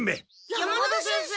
山田先生！